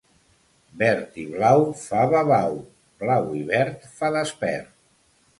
Verd i blau fa babau; blau i verd fa despert.